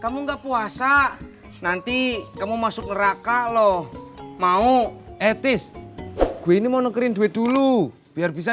kamu enggak puasa nanti kamu masuk neraka loh mau etis gue ini mau nukerin duit dulu biar bisa